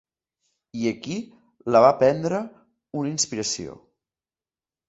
I aquí, la va prendre una inspiració.